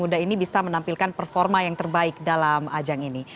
muda ini bisa menampilkan performa yang terbaik dalam ajang ini